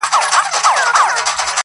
• بدرګه را سره ستوري وړمهیاره,